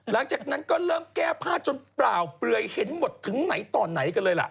หลังจากนั้นก็เริ่มแก้ผ้าจนเปล่าเปลือยเห็นหมดถึงไหนต่อไหนกันเลยล่ะ